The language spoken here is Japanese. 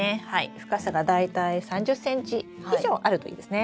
深さが大体３０ｃｍ以上あるといいですね。